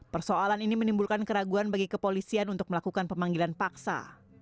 persoalan ini menimbulkan keraguan bagi kepolisian untuk melakukan pemanggilan paksa